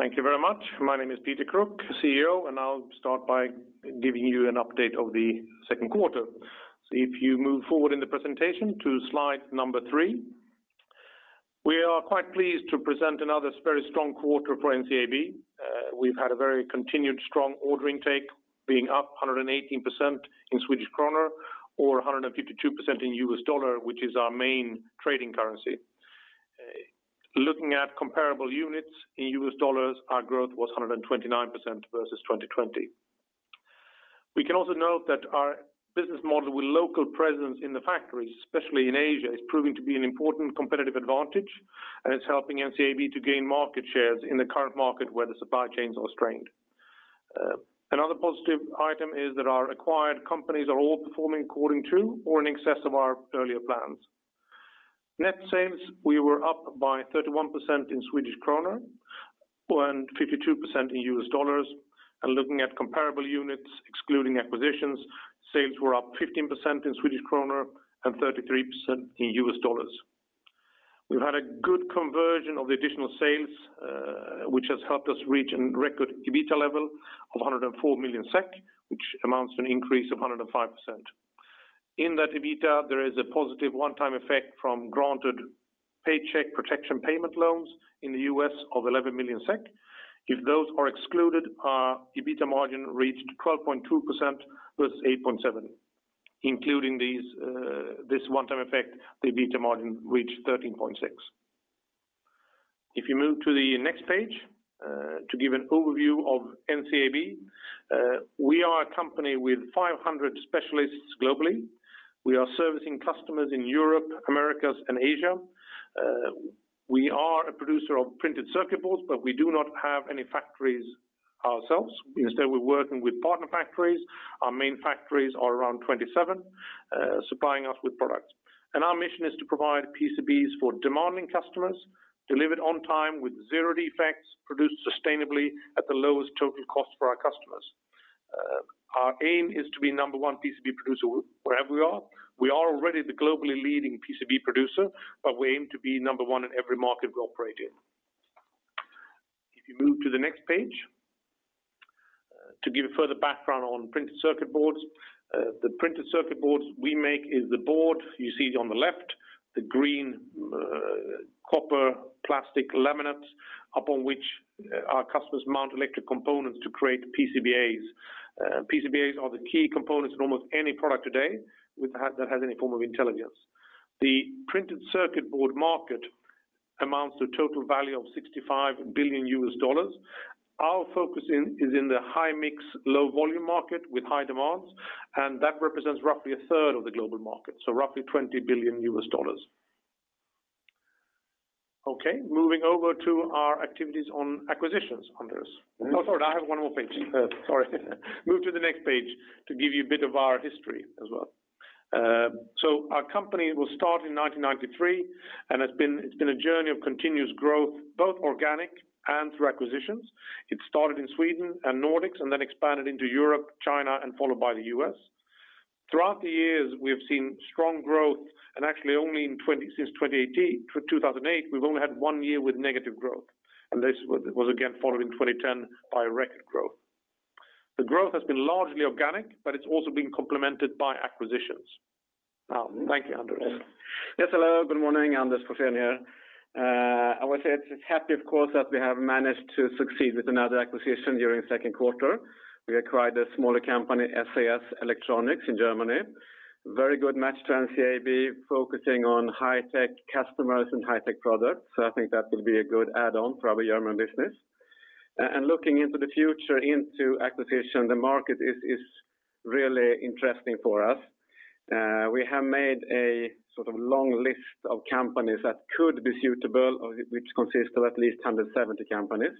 Thank you very much. My name is Peter Kruk, CEO, I'll start by giving you an update of the second quarter. If you move forward in the presentation to slide three, we are quite pleased to present another very strong quarter for NCAB. We've had a very continued strong order take, being up 118% in Swedish krona, or 152% in U.S. dollar, which is our main trading currency. Looking at comparable units in U.S. dollars, our growth was 129% versus 2020. We can also note that our business model with local presence in the factories, especially in Asia, is proving to be an important competitive advantage, and it's helping NCAB to gain market shares in the current market where the supply chains are strained. Another positive item is that our acquired companies are all performing according to or in excess of our earlier plans. Net sales, we were up by 31% in SEK and 52% in US dollars. Looking at comparable units, excluding acquisitions, sales were up 15% in SEK and 33% in US dollars. We've had a good conversion of the additional sales, which has helped us reach a record EBITDA level of 104 million SEK, which amounts to an increase of 105%. In that EBITDA, there is a positive one-time effect from granted Paycheck Protection Program loans in the U.S. of 11 million SEK. If those are excluded, our EBITDA margin reached 12.2% versus 8.7%. Including this one-time effect, the EBITDA margin reached 13.6%. If you move to the next page, to give an overview of NCAB, we are a company with 500 specialists globally. We are servicing customers in Europe, Americas, and Asia. We are a producer of printed circuit boards, but we do not have any factories ourselves. Instead, we're working with partner factories. Our main factories are around 27, supplying us with products. Our mission is to provide PCBs for demanding customers, delivered on time with zero defects, produced sustainably at the lowest total cost for our customers. Our aim is to be number one PCB producer wherever we are. We are already the globally leading PCB producer, but we aim to be number one in every market we operate in. If you move to the next page. To give further background on printed circuit boards. The printed circuit boards we make is the board you see on the left, the green copper plastic laminate upon which our customers mount electric components to create PCBAs. PCBAs are the key components in almost any product today that has any form of intelligence. The printed circuit board market amounts to a total value of $65 billion. Our focus is in the high-mix, low-volume market with high demands. That represents roughly a third of the global market, roughly $20 billion. Moving over to our activities on acquisitions, Anders. Sorry, I have one more page. Sorry. Move to the next page to give you a bit of our history as well. Our company was started in 1993, and it's been a journey of continuous growth, both organic and through acquisitions. It started in Sweden and Nordics. Then expanded into Europe, China, and followed by the U.S. Throughout the years, we have seen strong growth. Actually only since 2008, we've only had one year with negative growth. This was again followed in 2010 by record growth. The growth has been largely organic, but it's also been complemented by acquisitions. Thank you, Anders. Yes, hello. Good morning. Anders Forsén here. I would say it's happy, of course, that we have managed to succeed with another acquisition during the second quarter. We acquired a smaller company, sas-electronics GmbH in Germany. Very good match to NCAB, focusing on high-tech customers and high-tech products. I think that will be a good add-on for our German business. Looking into the future into acquisition, the market is really interesting for us. We have made a long list of companies that could be suitable, which consists of at least 170 companies.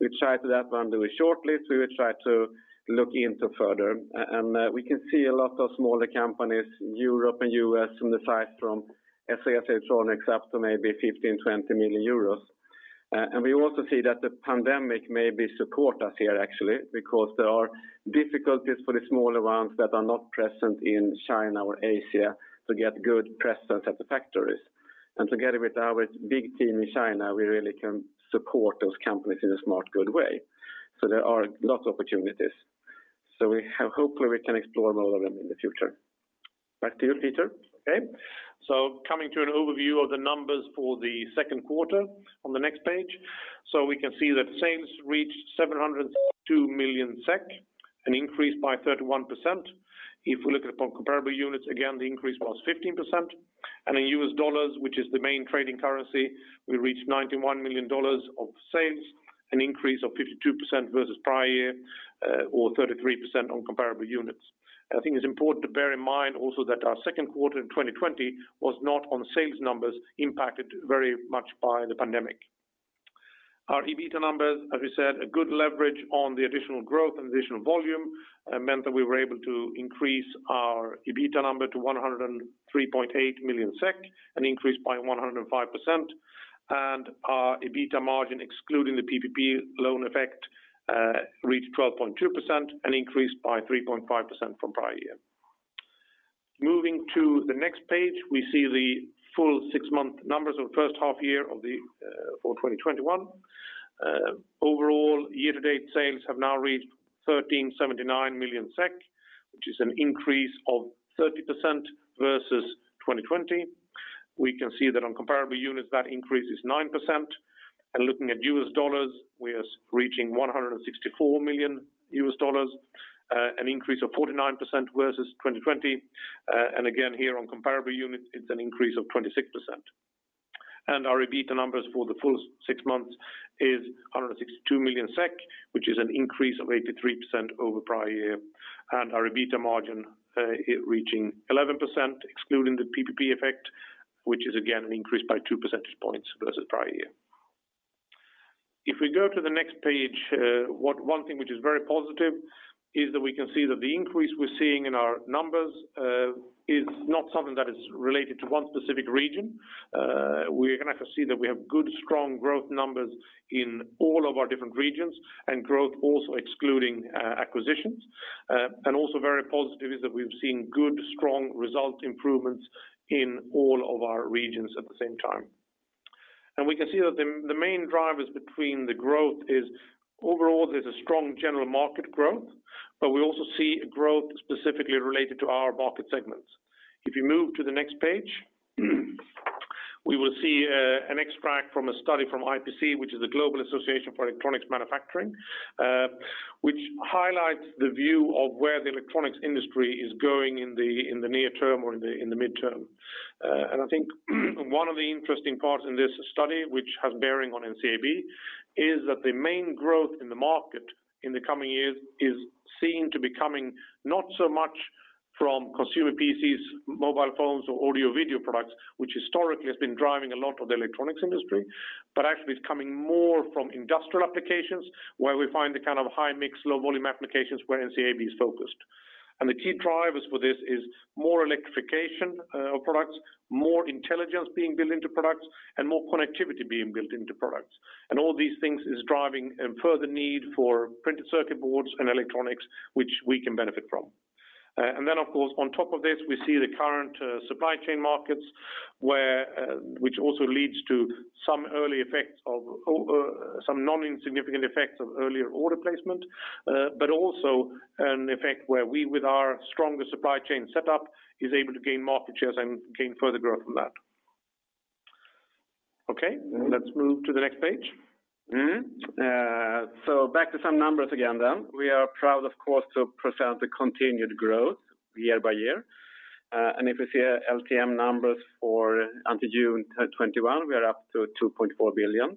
We try to then run through a shortlist we will try to look into further. We can see a lot of smaller companies in Europe and U.S. from the size from sas-electronics GmbH up to maybe 15 million-20 million euros. We also see that the pandemic may be support us here actually, because there are difficulties for the smaller ones that are not present in China or Asia to get good presence at the factories. Together with our big team in China, we really can support those companies in a smart, good way. There are lots of opportunities. Hopefully we can explore more of them in the future. Back to you, Peter. Okay. Coming to an overview of the numbers for the second quarter on the next page. We can see that sales reached 702 million SEK, an increase by 31%. If we look upon comparable units, again, the increase was 15%. In US dollars, which is the main trading currency, we reached $91 million of sales, an increase of 52% versus prior year, or 33% on comparable units. I think it's important to bear in mind also that our second quarter in 2020 was not on sales numbers impacted very much by the pandemic. Our EBITDA numbers, as we said, a good leverage on the additional growth and additional volume meant that we were able to increase our EBITDA number to 103.8 million SEK, an increase by 105%. Our EBITDA margin, excluding the PPP loan effect, reached 12.2%, an increase by 3.5% from prior year. Moving to the next page, we see the full six-month numbers of the first half year for 2021. Overall, year-to-date sales have now reached 1,379 million SEK, which is an increase of 30% versus 2020. We can see that on comparable units, that increase is 9%. Looking at US dollars, we are reaching $164 million, an increase of 49% versus 2020. Again, here on comparable units, it's an increase of 26%. Our EBITDA numbers for the full six months is 162 million SEK, which is an increase of 83% over prior year. Our EBITDA margin reaching 11%, excluding the PPP effect, which is again an increase by 2% points versus prior year. If we go to the next page, one thing which is very positive is that we can see that the increase we're seeing in our numbers is not something that is related to one specific region. We can actually see that we have good, strong growth numbers in all of our different regions, and growth also excluding acquisitions. Also very positive is that we've seen good, strong result improvements in all of our regions at the same time. We can see that the main drivers between the growth is overall, there's a strong general market growth, but we also see a growth specifically related to our market segments. If you move to the next page, we will see an extract from a study from IPC, which is a global association for electronics manufacturing, which highlights the view of where the electronics industry is going in the near term or in the midterm. I think one of the interesting parts in this study, which has bearing on NCAB, is that the main growth in the market in the coming years is seen to be coming not so much from consumer PCs, mobile phones or audio-video products, which historically has been driving a lot of the electronics industry. Actually it's coming more from industrial applications where we find the kind of high-mix, low-volume applications where NCAB is focused. The key drivers for this is more electrification of products, more intelligence being built into products, and more connectivity being built into products. All these things is driving a further need for printed circuit boards and electronics, which we can benefit from. Then of course, on top of this, we see the current supply chain markets, which also leads to some non-insignificant effects of earlier order placement, but also an effect where we with our stronger supply chain setup, is able to gain market shares and gain further growth from that. Okay, let's move to the next page. Back to some numbers again then. We are proud, of course, to present the continued growth year by year. If you see LTM numbers until June 2021, we are up to 2.4 billion.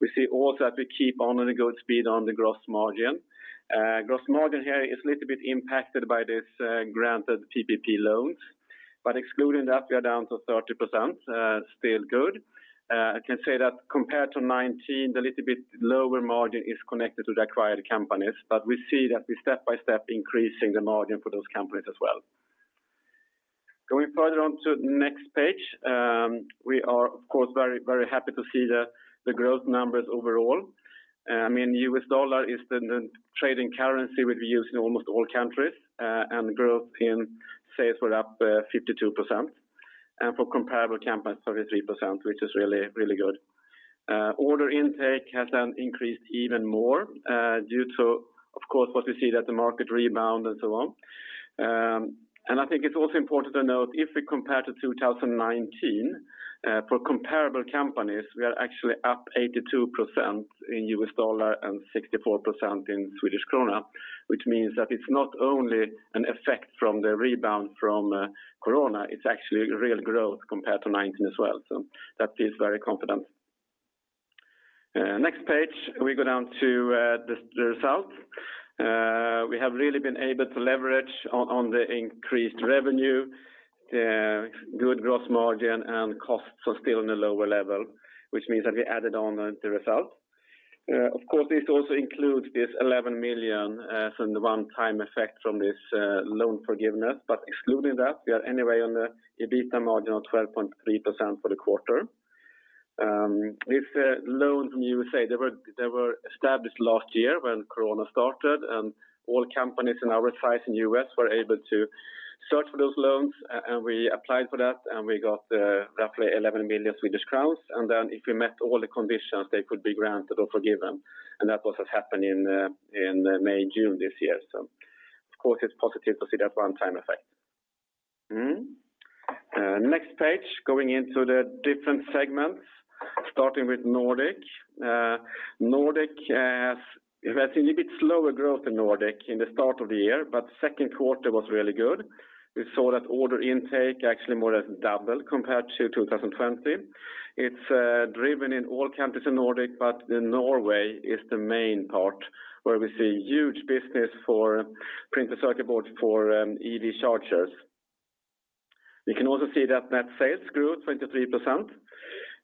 We see also that we keep on a good speed on the gross margin. Gross margin here is a little bit impacted by this granted PPP loans, excluding that we are down to 30%, still good. I can say that compared to 2019, the little bit lower margin is connected to the acquired companies, we see that we step by step increasing the margin for those companies as well. Going further on to the next page, we are of course, very happy to see the growth numbers overall. U.S. dollar is the trading currency we use in almost all countries. Growth in sales were up 52%, and for comparable companies, 33%, which is really good. Order intake has increased even more, due to, of course, what we see that the market rebound and so on. I think it's also important to note, if we compare to 2019, for comparable companies, we are actually up 82% in U.S. dollar and 64% in Swedish krona, which means that it's not only an effect from the rebound from COVID-19, it's actually real growth compared to 2019 as well. That feels very confident. Next page, we go down to the results. We have really been able to leverage on the increased revenue, good gross margin and costs are still on a lower level, which means that we added on the result. Of course, this also includes this 11 million from the one-time effect from this loan forgiveness. Excluding that, we are anyway on the EBITDA margin of 12.3% for the quarter. These loans from U.S., they were established last year when COVID-19 started, and all companies in our size in U.S. were able to search for those loans, and we applied for that, and we got roughly 11 million Swedish crowns. Then if we met all the conditions, they could be granted or forgiven. That also happened in May, June this year. Of course, it's positive to see that one-time effect. Next page, going into the different segments, starting with Nordic. We've seen a bit slower growth in Nordic in the start of the year, but second quarter was really good. We saw that order intake actually more than doubled compared to 2020. It's driven in all countries in Nordic, but in Norway is the main part where we see huge business for printed circuit boards for EV chargers. We can also see that net sales grew 23%,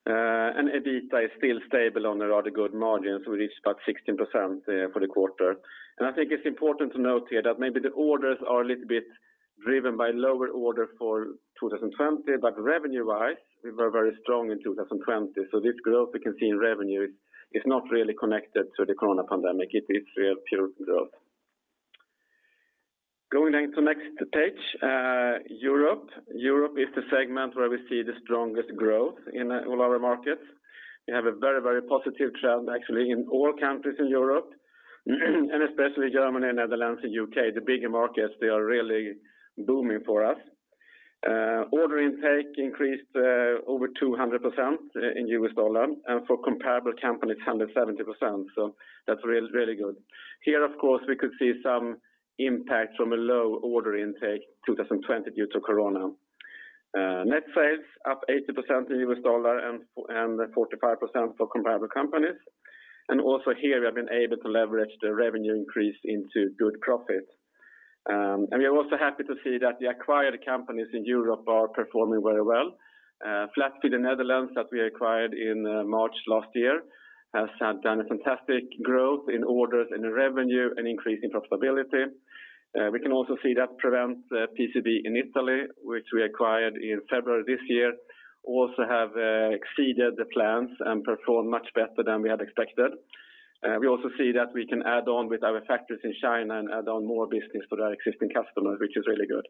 and EBITDA is still stable on a rather good margin. We reached about 16% for the quarter. I think it's important to note here that maybe the orders are a little bit driven by lower order for 2020, but revenue-wise, we were very strong in 2020. This growth we can see in revenue is not really connected to the COVID-19 pandemic. It is real pure growth. Going into next page, Europe. Europe is the segment where we see the strongest growth in all our markets. We have a very positive trend actually in all countries in Europe, and especially Germany, Netherlands, and U.K. The bigger markets, they are really booming for us. Order intake increased over 200% in U.S. dollar, and for comparable companies, it's 170%, so that's really good. Here, of course, we could see some impact from a low order intake 2020 due to COVID-19. Net sales up 80% in USD and 45% for comparable companies. Also here, we have been able to leverage the revenue increase into good profit. We are also happy to see that the acquired companies in Europe are performing very well. Flatfield in Netherlands that we acquired in March last year has done a fantastic growth in orders, in revenue, and increase in profitability. We can also see that PreventPCB in Italy, which we acquired in February this year, also have exceeded the plans and performed much better than we had expected. We also see that we can add on with our factories in China and add on more business to our existing customers, which is really good.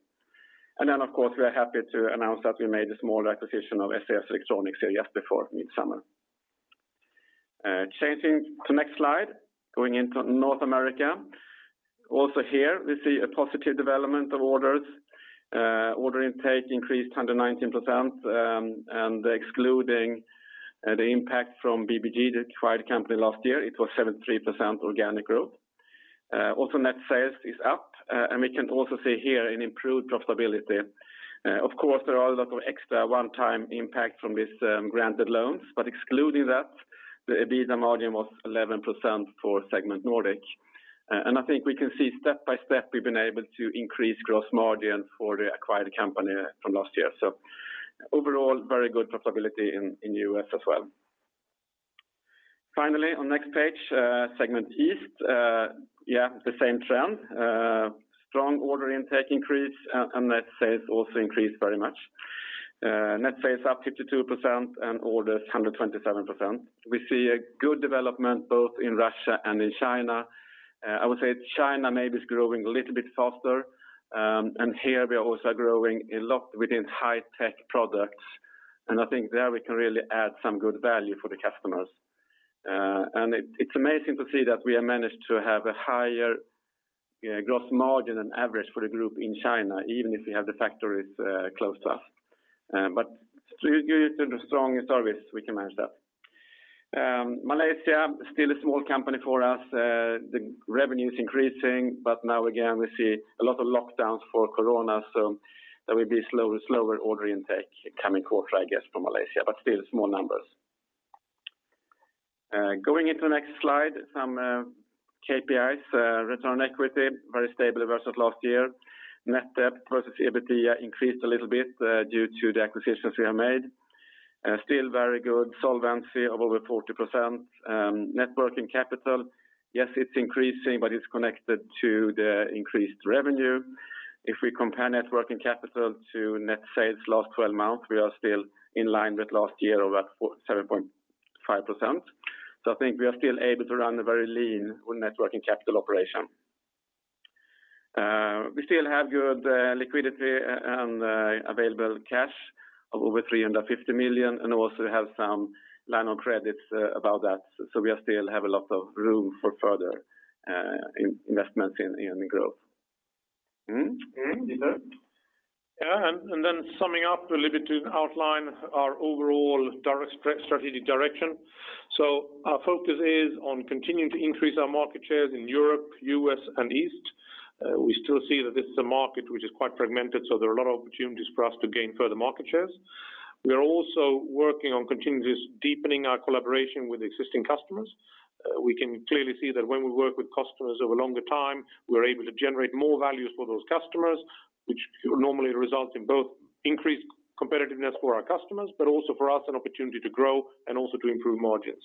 Of course, we are happy to announce that we made a small acquisition of sas-electronics GmbH here just before midsummer. Changing to next slide, going into North America. Here, we see a positive development of orders. Order intake increased 119%, and excluding the impact from BBG, the acquired company last year, it was 73% organic growth. Net sales is up, and we can also see here an improved profitability. Of course, there are a lot of extra one-time impact from these granted loans, but excluding that, the EBITDA margin was 11% for segment Nordic. I think we can see step by step, we've been able to increase gross margin for the acquired company from last year. Overall, very good profitability in U.S. as well. Finally, on next page, segment East. Yeah, the same trend. Strong order intake increase and net sales also increased very much. Net sales up 52% and orders 127%. We see a good development both in Russia and in China. I would say China maybe is growing a little bit faster. Here we are also growing a lot within high-tech products, and I think there we can really add some good value for the customers. It's amazing to see that we have managed to have a higher gross margin and average for the group in China, even if we have the factories close to us. Due to the strong service, we can manage that. Malaysia, still a small company for us. The revenue is increasing. Now again, we see a lot of lockdowns for COVID-19, there will be slower order intake coming quarter, I guess, from Malaysia, but still small numbers. Going into the next slide, some KPIs. Return on equity, very stable versus last year. Net debt versus EBITDA increased a little bit due to the acquisitions we have made. Still very good solvency of over 40%. Net working capital. Yes, it's increasing. It's connected to the increased revenue. If we compare net working capital to net sales last 12 months, we are still in line with last year of at 7.5%. I think we are still able to run a very lean working capital operation. We still have good liquidity and available cash of over 350 million, and also have some line of credits above that. We still have a lot of room for further investments in growth. Peter? Summing up a little bit to outline our overall strategic direction. Our focus is on continuing to increase our market shares in Europe, U.S., and East. We still see that this is a market which is quite fragmented. There are a lot of opportunities for us to gain further market shares. We are also working on continuously deepening our collaboration with existing customers. We can clearly see that when we work with customers over a longer time, we're able to generate more value for those customers, which normally results in both increased competitiveness for our customers, but also for us an opportunity to grow and also to improve margins.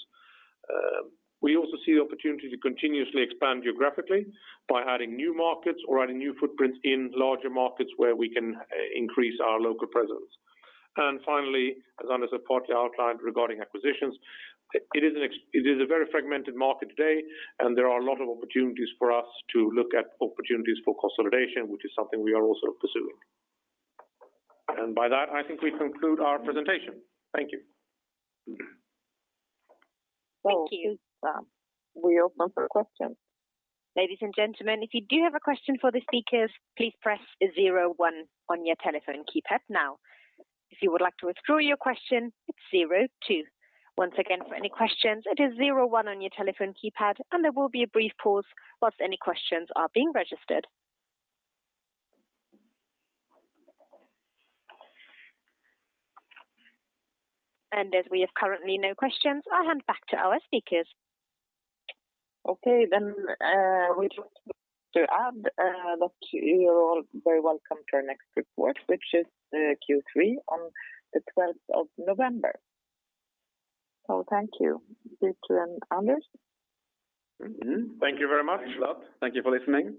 We also see the opportunity to continuously expand geographically by adding new markets or adding new footprints in larger markets where we can increase our local presence. Finally, as Anders partly outlined regarding acquisitions, it is a very fragmented market today, and there are a lot of opportunities for us to look at opportunities for consolidation, which is something we are also pursuing. By that, I think we conclude our presentation. Thank you. Thank you. We open for questions. Ladies and gentlemen, if you do have a question for the speakers, please press zero one on your telephone keypad now. If you would like to withdraw your question, it's zero two. Once again, for any questions, it is zero one on your telephone keypad, there will be a brief pause whilst any questions are being registered. As we have currently no questions, I'll hand back to our speakers. Okay, we just want to add that you're all very welcome to our next report, which is Q3 on the 12 November. Thank you. Peter and Anders? Thank you very much. Thanks a lot. Thank you for listening.